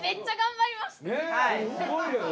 すごいよね！